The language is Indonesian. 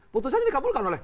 putusannya dikabulkan oleh